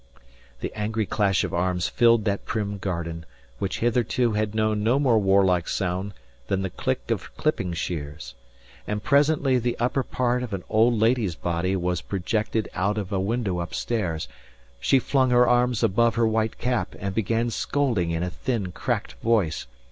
The angry clash of arms filled that prim garden, which hitherto had known no more warlike sound than the click of clipping shears; and presently the upper part of an old lady's body was projected out of a window upstairs. She flung her arms above her white cap, and began scolding in a thin, cracked voice.